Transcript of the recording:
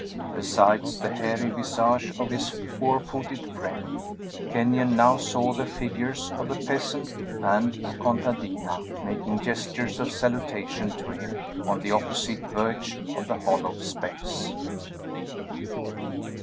Besides the hairy visage of his four footed friend, Kenyon now saw the figures of a peasant and a contadina, making gestures of salutation to him, on the opposite verge of the hollow space.